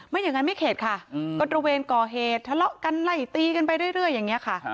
ไม่อย่างนั้นไม่เข็ดค่ะก็ตระเวนก่อเหตุทะเลาะกันไล่ตีกันไปเรื่อยอย่างนี้ค่ะ